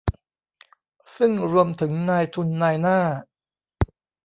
ซึ่งรวมถึงนายทุนนายหน้า